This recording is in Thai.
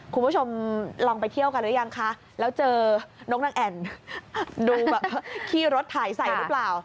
คุณผู้ชมลองไปเที่ยวกันหรือยังคะแล้วเจอนกนางแอ่นดูแบบขี้รถถ่ายใส่หรือเปล่า